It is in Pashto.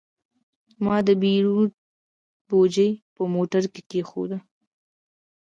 ما د پیرود بوجي په موټر کې کېښوده.